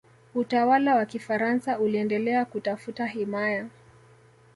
utawala wa kifaransa uliendelea kutafuta himaya